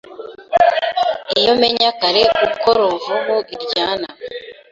Iyo menya kare uko Ruvubu iryana